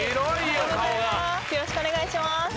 よろしくお願いします！